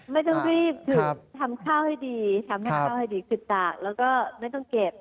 ไม่ต้องรีบคือทำข้าวให้ดีคือตากแล้วก็ไม่ต้องเก็บ